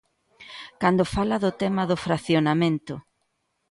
Cando fala do tema do fraccionamento.